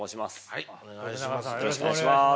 はいお願いします。